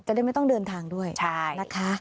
ได้ไม่ต้องเดินทางด้วยนะคะ